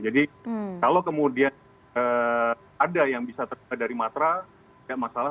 jadi kalau kemudian ada yang bisa terdapat dari matra tidak masalah